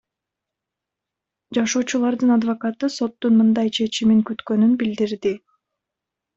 Жашоочулардын адвокаты соттун мындай чечимин күткөнүн билдирди.